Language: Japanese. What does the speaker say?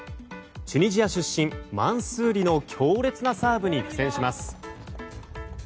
チュニジア出身、マンスーリの強烈なサーブに苦戦します。